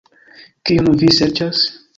Kiun vi serĉas?